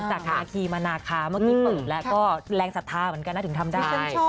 นาคีมนาคาเมื่อกี้เปิดแล้วก็แรงศรัทธาเหมือนกันนะถึงทำได้